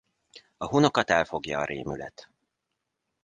A hunokat elfogja a rémület.